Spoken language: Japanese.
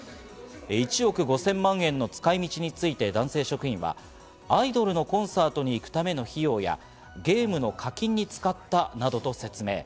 １億５０００万円の使い道について男性職員は、アイドルのコンサートに行くための費用やゲームの課金に使ったなどと説明。